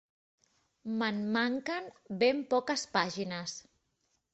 Me'n manquen ben poques pàgines